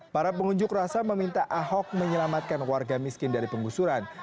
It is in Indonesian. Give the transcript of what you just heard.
para pengunjuk rasa meminta ahok menyelamatkan warga miskin dari penggusuran